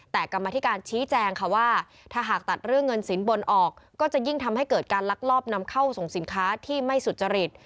แต่กรรมธิการชี้แจงค่ะว่าถ้าหากตัดเรื่องเงินสินบนออกก็จะยิ่งทำให้เกิดการลักลอบนำเข้าส่งสินค้าที่ไม่สุจริต